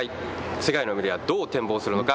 世界のメディアはどう展望するのか。